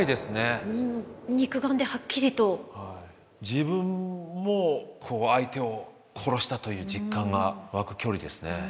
自分も相手を殺したという実感が湧く距離ですね。